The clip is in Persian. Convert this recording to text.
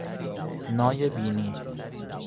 نای بینی